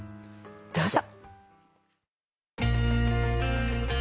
どうぞ。